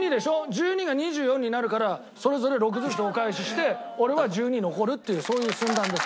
１２が２４になるからそれぞれ６ずつお返しして俺は１２残るっていうそういう算段です。